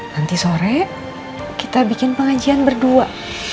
nanti sore kita bikin pengajian berdua